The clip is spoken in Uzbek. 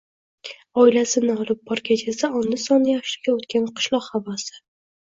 Oilasini olib borgach esa, onda sonda yoshligi o‘tgan qishloq havosi